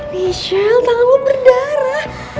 michelle tangan lo berdarah